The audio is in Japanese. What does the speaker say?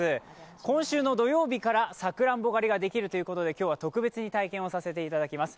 今週の土曜日から、さくらんぼ狩りができるということで、今日は特別に体験をさせていただきます。